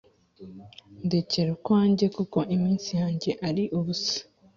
ndekera ukwanjye kuko iminsi yanjye ari ubusa